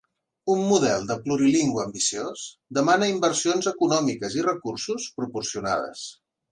Un model de plurilingüe ambiciós demana inversions econòmiques i recursos proporcionades.